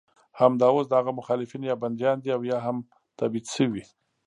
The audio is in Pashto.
همدا اوس د هغه مخالفین یا بندیان دي او یا هم تبعید شوي.